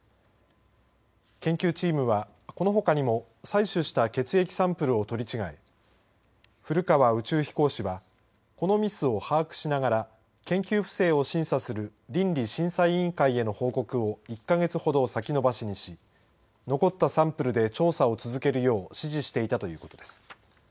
研究チームは、このほかにも採取した血液サンプルを取り違え古川宇宙飛行士はこのミスを把握しながら研究不正を審査する倫理審査委員会への報告を１か月ほど先延ばしにし残ったサンプルで調査を続けるよう指示していたということです。